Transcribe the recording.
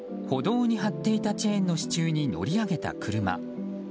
歩道に張っていたチェーンの支柱に乗り上げた車。